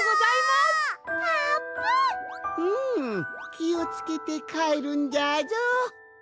きをつけてかえるんじゃぞ。